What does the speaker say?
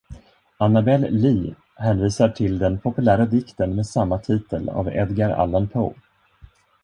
"Annabel Lee" hänvisar till den populära dikten med samma titel av Edgar Allan Poe.